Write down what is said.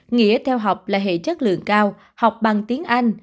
nghĩa theo học là hệ chất lượng cao học bằng tiếng anh